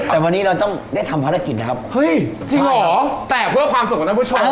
แต่วันนี้เราต้องได้ทำภารกิจนะครับเฮ้ยจริงเหรอแต่เพื่อความสุขของท่านผู้ชม